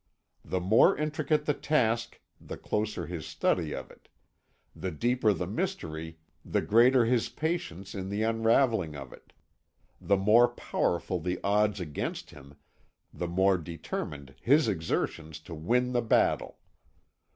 The more intricate the task the closer his study of it; the deeper the mystery the greater his patience in the unravelling of it; the more powerful the odds against him the more determined his exertions to win the battle.